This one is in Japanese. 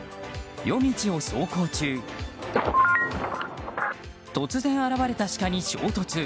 夜道を走行中突然現れたシカに衝突。